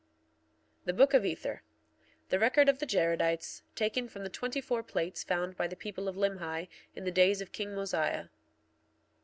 THE BOOK OF ETHER The record of the Jaredites, taken from the twenty four plates found by the people of Limhi in the days of king Mosiah.